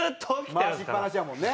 回しっぱなしやもんね。